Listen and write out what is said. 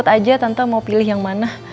aku ikut aja tante mau pilih yang mana